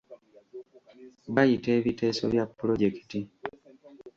Bayita ebiteeso bya pulojekiti.